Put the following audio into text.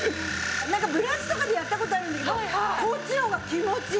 ブラシとかでやった事あるんだけどこっちの方が気持ちいい。